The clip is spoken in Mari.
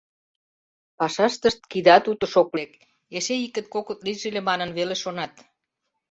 Пашаштышт кидат утыш ок лек, эше икыт-кокыт лийже ыле манын веле шонат.